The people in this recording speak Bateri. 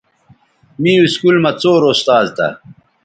می اسکول مہ څور استاذ تھہ